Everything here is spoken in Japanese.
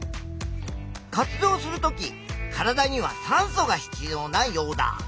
活動するとき体には酸素が必要なヨウダ。